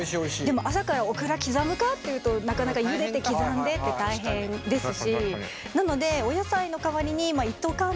でも朝からオクラ刻むかっていうとなかなかゆでて刻んでって大変ですし。